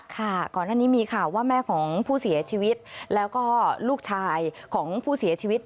ก่อนหน้านี้มีข่าวว่าแม่ของผู้เสียชีวิตแล้วก็ลูกชายของผู้เสียชีวิต